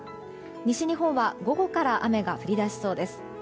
西日本は午後から雨が降り出しそうです。